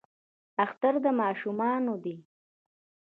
اختر د ماشومانو دی